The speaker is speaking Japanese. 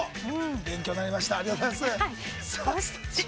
勉強になりました。